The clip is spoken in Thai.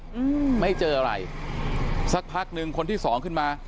อืมไม่เจออะไรสักพักหนึ่งคนที่สองขึ้นมา